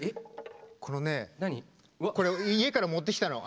このねこれ家から持ってきたの。